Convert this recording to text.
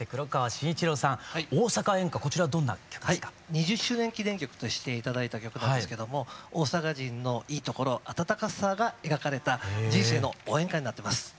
２０周年記念曲として頂いた曲なんですけども大阪人のいいところ温かさが描かれた人生の応援歌になってます。